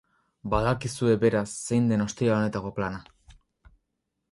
Badakizue, beraz, zein den ostiral honetako plana.